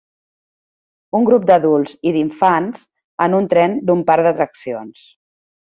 Un grup d'adults i d'infants en un tren d'un parc d'atraccions.